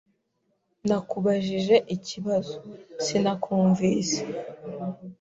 "Nakubajije ikibazo." "Sinakumvise."